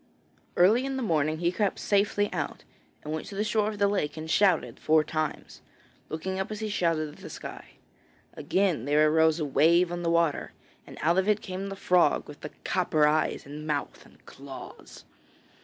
Early in the morning he crept safely out, and went to the shore of the lake and shouted four times, looking up as he shouted at the sky. Again there arose a wave on the water, and out of it came the frog, with the copper eyes and mouth and claws.